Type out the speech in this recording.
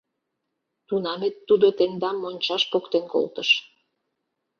— Тунамет тудо тендам мончаш поктен колтыш.